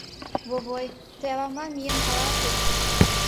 Вовай, тый авамлан миен каласе.